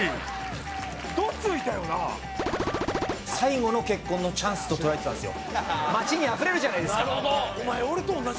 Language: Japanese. どついたよな最後の結婚のチャンスと捉えてたんですよ